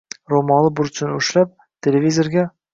Ro‘moli burchini ushlab, televizorga...